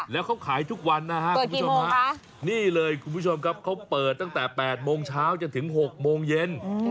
แล้วเขาขายทุกวันนะครับคุณผู้ชมฮะนี่เลยคุณผู้ชมครับเขาเปิดตั้งแต่๘โมงเช้าจนถึง๖โมงเย็น